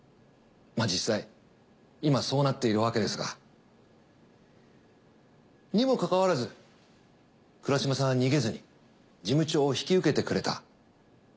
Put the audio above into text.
まあ実際今そうなっているわけですが。にもかかわらず倉嶋さんは逃げずに事務長を引き受けてくれた。